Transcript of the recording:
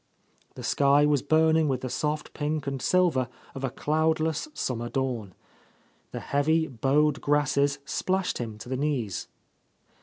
The sky was burning with the soft pink and silver of a cloud less summer dawn. The heavy, bowed grasses splashed him to the knees.